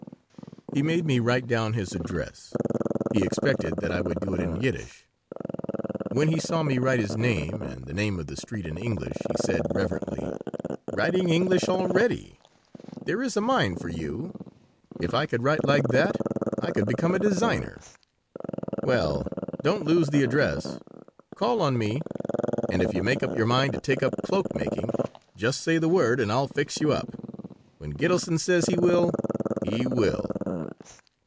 He made me write down his address. He expected that I would do it in Yiddish. When he saw me write his name and the name of the street in English he said, reverently: "Writing English already! There is a mind for you! If I could write like that I could become a designer. Well, don't lose the address. Call on me, and if you make up your mind to take up cloak making just say the word and I'll fix you up. When Gitelson says he will, he will."